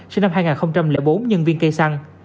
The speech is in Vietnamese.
sinh năm hai nghìn bốn nhân viên cây xăng